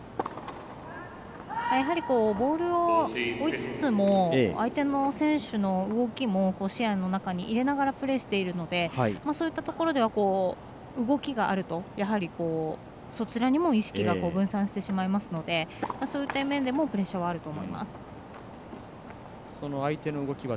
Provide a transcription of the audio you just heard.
やはり、ボールを追いつつも相手の選手の動きも視野の中に入れながらプレーしているのでそういったところでは動きがあるとやはり、そちらにも意識が分散してしまいますのでそういう面でもプレッシャーはあると思います。